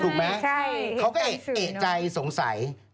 เขาก็จะเอกใจสงสัย